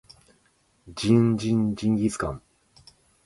ジンジンジンギスカン